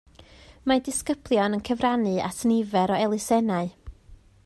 Mae disgyblion yn cyfrannu at nifer o elusennau